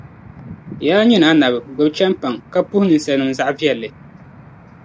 Yaa nyini Annabi! Gbibi chεmpaŋ, ka puhi ninsalinim ni zaɣivεlli.